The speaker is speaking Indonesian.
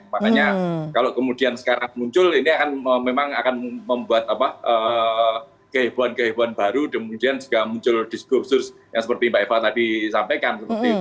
makanya kalau kemudian sekarang muncul ini memang akan membuat kehebohan kehebohan baru dan kemudian juga muncul diskursus yang seperti mbak eva tadi sampaikan